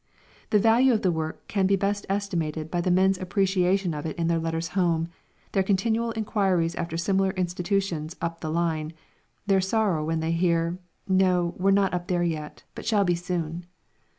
The value of the work can best be estimated by the men's appreciation of it in their letters home, their continual inquiries after similar institutions "up the line," their sorrow when they hear: "No, we're not up there yet but shall be soon."